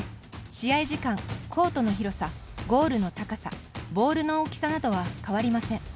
試合時間、コートの広さゴールの高さボールの大きさなどは変わりません。